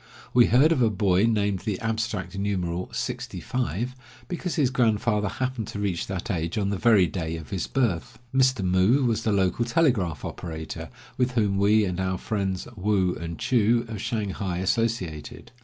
We heard of a boy named the abstract numeral, "sixty five," because his grandfather happened to reach that age on the very day of his birth. Mr. Moo was the local telegraph operator, with whom we, and our friends Woo and Choo, of Shanghai, associated.